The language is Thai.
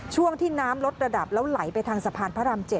ช่วงที่น้ำลดระดับแล้วไหลไปทางสะพานพระราม๗